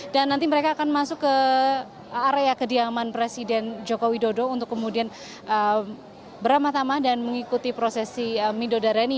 dan nanti mereka akan masuk ke area kediaman presiden jokowi dodo untuk kemudian beramat amat dan mengikuti prosesi midodareni